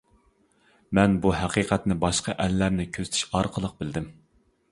مەن بۇ ھەقىقەتنى باشقا ئەللەرنى كۆزىتىش ئارقىلىق بىلدىم.